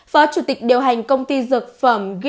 phó chủ tịch điều hành công ty dược phòng covid một mươi chín